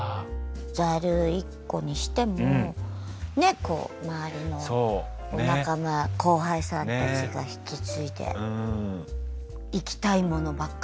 ザル１個にしてもねっこう周りのお仲間後輩さんたちが引き継いでいきたいものばっかりなんできっとね。